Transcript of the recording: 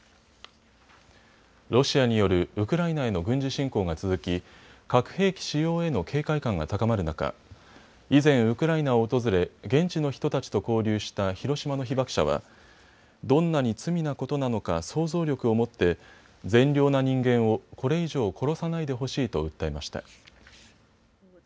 ロシアによるウクライナへの軍事侵攻が続き核兵器使用への警戒感が高まる中、以前、ウクライナを訪れ現地の人たちと交流した広島の被爆者はどんなに罪なことなのか想像力を持って善良な人間をこれ以上殺さないでほしいと訴えました。